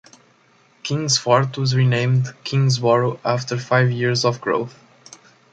Kings Fort was renamed Kingsboro after five years of growth.